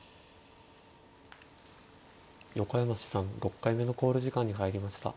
横山七段６回目の考慮時間に入りました。